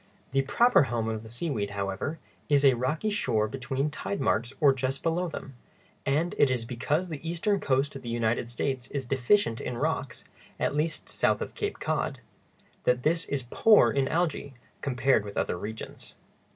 The proper home of the seaweed, however, is a rocky shore between tide marks or just below them, and it is because the eastern coast of the United States is deficient in rocks—at least south of Cape Cod—that this is poor in algæ, compared with other regions.